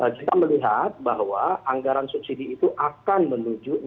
kita melihat bahwa anggaran subsidi itu akan menuju rp enam ratus sembilan puluh delapan triliun